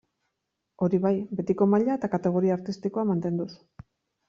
Hori bai, betiko maila eta kategoria artistikoa mantenduz.